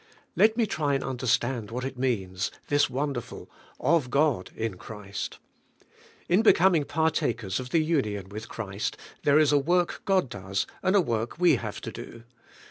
Let me try and understand what it means, this wonderful *0f God in Christ.' In becoming par takers of the union with Christ, there is a work God does and a work we have to do.